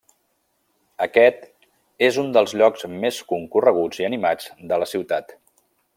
Aquest és un dels llocs més concorreguts i animats de la ciutat.